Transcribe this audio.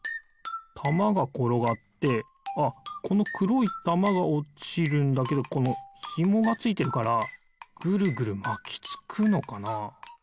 たまがころがってああこのくろいたまがおちるんだけどこのひもがついてるからぐるぐるまきつくのかな。